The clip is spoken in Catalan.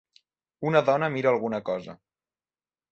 Una dona mira alguna cosa.